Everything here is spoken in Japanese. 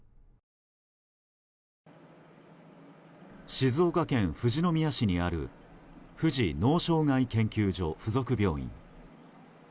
静岡県富士宮市にある富士脳障害研究所附属病院。